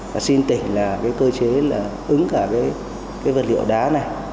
và xin tỉnh là cơ chế ứng cả vật liệu đá này